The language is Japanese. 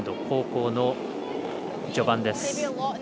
後攻の序盤です。